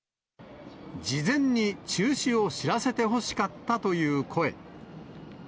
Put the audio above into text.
事前に中止を知らせてほしかったという声。